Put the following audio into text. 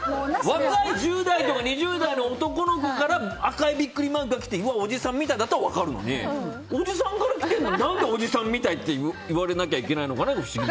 若い１０代とか２０代の男の子から赤いビックリマークが来ておじさんみたいだったら分かるのにおじさんから来てるのに何でおじさんみたいって言われないといけないのか不思議。